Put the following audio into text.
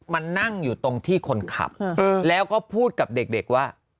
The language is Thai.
มานั่งอยู่ตรงที่คนขับแล้วก็พูดกับเด็กว่า